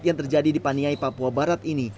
yang terjadi di paniai papua barat ini